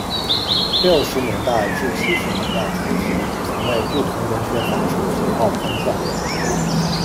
六十年代至七十年代初期曾为不同文学杂志及报刊撰文。